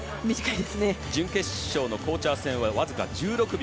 準決勝のコーチャー育差はわずか１６秒。